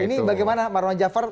ini bagaimana marwan jafar